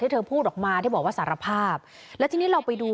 เธอพูดออกมาที่บอกว่าสารภาพแล้วทีนี้เราไปดู